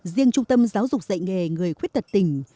riêng trung tâm giáo dục dạy nghề người khuyết tật tỉnh